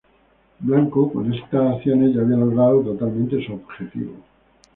Blanco con estas acciones ya había logrado totalmente su objetivo.